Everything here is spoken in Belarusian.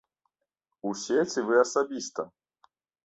Усе ці вы асабіста?